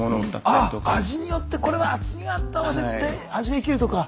あっ味によってこれは厚みがあった方が絶対味が生きるとか。